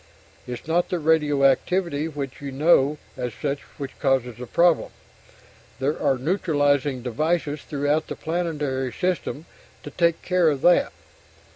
It's not the radioactivity which you know as such which causes the trouble there are neutralizing devices throughout the planetary system to take care of that.